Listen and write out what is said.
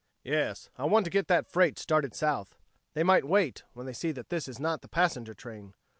"Yes. I want to get that freight started south. They might wait, when they see that this is not the passenger train.